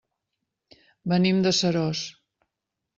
Venim de Seròs.